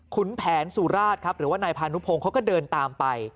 ขุนแผนสุราชครับหรือว่านายพานุพงศ์เขาก็เดินตามไป